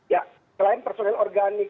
ya selain personel organik